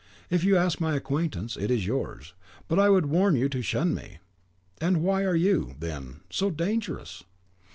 If you ask my acquaintance, it is yours; but I would warn you to shun me." "And why are you, then, so dangerous?"